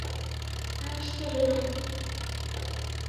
あいしてる